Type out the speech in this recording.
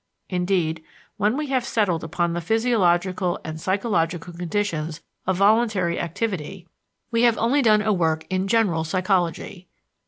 Indeed, when we have settled upon the physiological and psychological conditions of voluntary activity we have only done a work in general psychology.